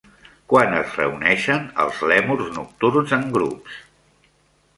Quan es reuneixen els lèmurs nocturns en grups?